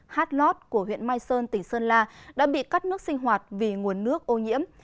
hát lót của huyện mai sơn tỉnh sơn la đã bị cắt nước sinh hoạt vì nguồn nước ô nhiễm